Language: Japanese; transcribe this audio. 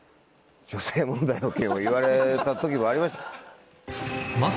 女性問題の件を言われた時もありました。